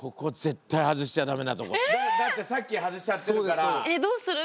だってさっき外しちゃってるから。